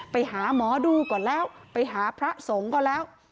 ไปหาหมอดูก่อนแล้วไปหาพระสงฆ์ก็แล้ว